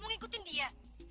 mau ngikutin dia